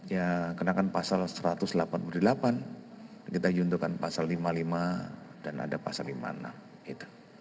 ya kenakan pasal satu ratus delapan puluh delapan kita juntuhkan pasal lima puluh lima dan ada pasal lima puluh enam gitu